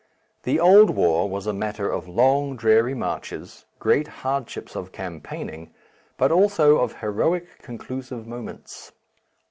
The old war was a matter of long dreary marches, great hardships of campaigning, but also of heroic conclusive moments.